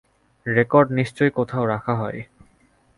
Record নিশ্চয়ই কোথাও রাখা হয়।